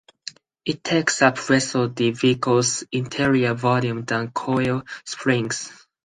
It takes up less of the vehicle's interior volume than coil springs.